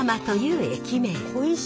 という駅名。